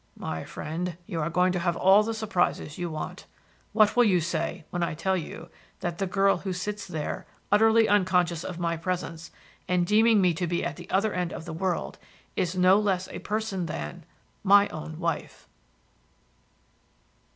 "My friend, you are going to have all the surprises you want. What will you say when I tell you that the girl who sits there, utterly unconscious of my presence, and deeming me to be at the other end of the world, is no less a person than my own wife?"